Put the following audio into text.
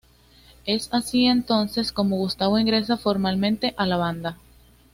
Es así entonces como Gustavo ingresa formalmente a la banda.